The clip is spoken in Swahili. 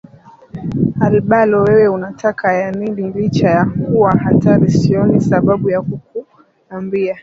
Albalo wewe unataka ya nini licha ya kuwa hatari sioni sababu ya kukuambia